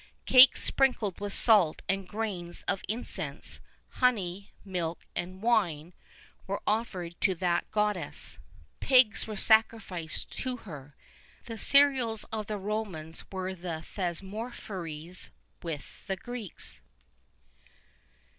Cakes sprinkled with salt and grains of incense, honey, milk, and wine, were offered to that goddess. Pigs were sacrificed to her. The cereals of the Romans were the thesmophories with the Greeks.